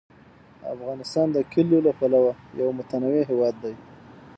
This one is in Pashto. افغانستان د کلیو له پلوه یو متنوع هېواد دی.